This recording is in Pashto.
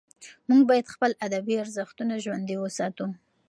موږ باید خپل ادبي ارزښتونه ژوندي وساتو.